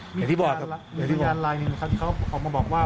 เหมือนกันและมีพิการรายนึงครับที่เขามาบอกว่า